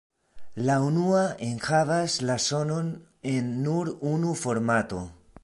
La unua enhavas la sonon en nur unu formato.